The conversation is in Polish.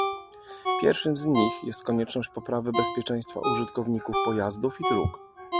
Pierwszym z nich jest konieczność poprawy bezpieczeństwa użytkowników pojazdów i dróg